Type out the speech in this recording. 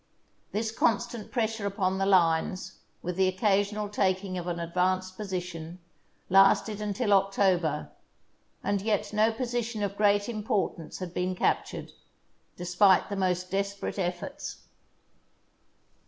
This constant pres sure upon the lines, with the occasional taking of an advanced position, lasted until October, and yet THE SIEGE OF PORT ARTHUR no position of great importance had been captured, despite the most desperate efforts.